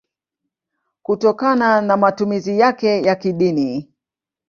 kutokana na matumizi yake ya kidini.